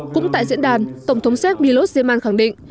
cũng tại diễn đàn tổng thống xéc milo geman khẳng định